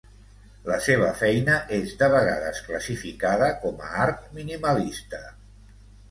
La seva feina és de vegades classificada com a art minimalista.